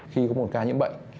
khi có một ca nhiễm bệnh